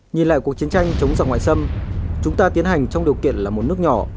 nhìn lại cuộc chiến tranh chống giặc ngoại xâm chúng ta tiến hành trong điều kiện là một nước nhỏ